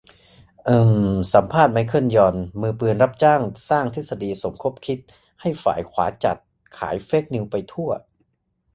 เอิ่ม สัมภาษณ์ ไมเคิล ยอน มือปืนรับจ้างสร้างทฤษฎีสมคบคิดให้ฝ่ายขวาจัด ขายเฟคนิวส์ไปทั่ว